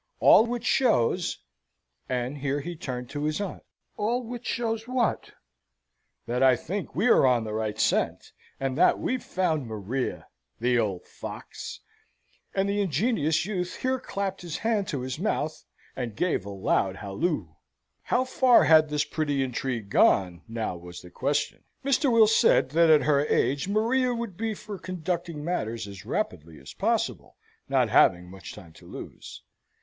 All which shows " and here he turned to his aunt. "All which shows what?" "That I think we are on the right scent; and that we've found Maria the old fox!" And the ingenuous youth here clapped his hand to his mouth, and gave a loud halloo. How far had this pretty intrigue gone? now was the question. Mr. Will said, that at her age, Maria would be for conducting matters as rapidly as possible, not having much time to lose.